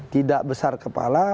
tidak besar kepala